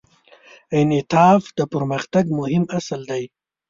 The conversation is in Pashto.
انعطاف د پرمختګ مهم اصل دی.